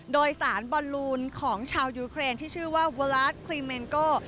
โดยสารบอลลูนของชาวยูเครนที่ชื่อว่าเวอร์ลาสครีเมนโก้